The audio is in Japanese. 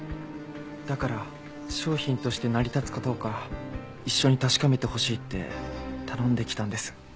だから商品として成り立つかどうか一緒に確かめてほしいって頼んできたんです。